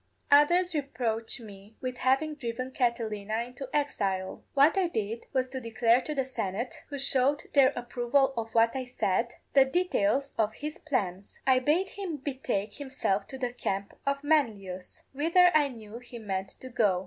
_Others reproach me with having driven Catilina into exile. What I did was to declare to the Senate who showed their approval of what I said the details of his plans. I bade him betake himself to the camp of Manlius, whither I knew he meant to go.